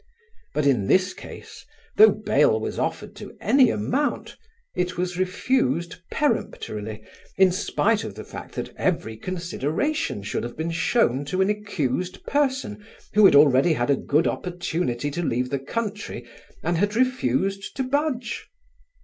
But in this case, though bail was offered to any amount, it was refused peremptorily in spite of the fact that every consideration should have been shown to an accused person who had already had a good opportunity to leave the country and had refused to budge.